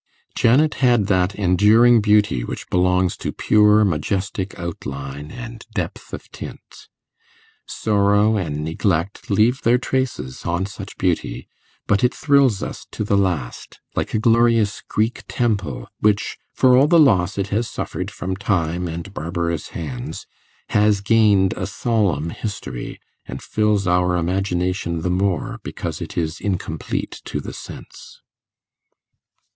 Janet had that enduring beauty which belongs to pure majestic outline and depth of tint. Sorrow and neglect leave their traces on such beauty, but it thrills us to the last, like a glorious Greek temple, which, for all the loss it has suffered from time and barbarous hands, has gained a solemn history, and fills our imagination the more because it is incomplete to the sense.